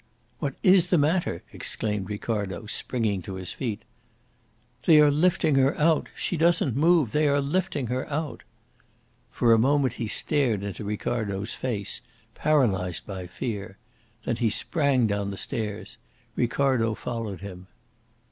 "What is the matter?" exclaimed Ricardo, springing to his feet. "They are lifting her out! She doesn't move! They are lifting her out!" For a moment he stared into Ricardo's face paralysed by fear. Then he sprang down the stairs. Ricardo followed him.